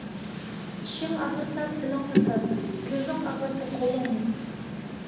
چىشىڭ ئاغرىسا تىلىڭنى تارت، كۆزۈڭ ئاغرىسا قولۇڭنى.